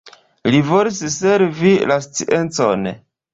Li volis servi la sciencon.